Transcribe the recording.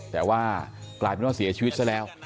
แต่ว่ากลายเป็นว่าเสียชีวิตซะแล้ว